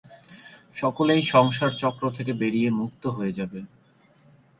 সকলেই সংসার চক্র থেকে বেরিয়ে মুক্ত হয়ে যাবে।